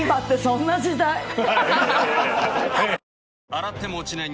洗っても落ちない